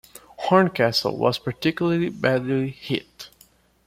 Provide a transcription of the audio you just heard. Horncastle was particularly badly hit.